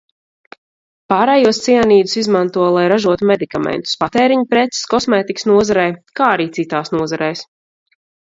Pārējos cianīdus izmanto, lai ražotu medikamentus, patēriņa preces kosmētikas nozarē, kā arī citās nozarēs.